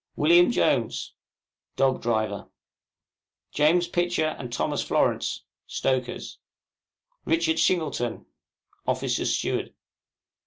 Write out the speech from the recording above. WM. JONES, Dog driver. JAMES PITCHER, } Stokers. THOMAS FLORANCE, } RICHARD SHINGLETON, Officers' Steward.